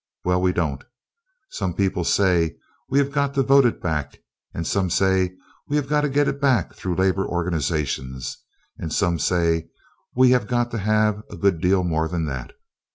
Well, we don't. Some people say we have got to vote it back, and some say we have got to get it back through labor organizations, and some say we have got to have a good deal more than that.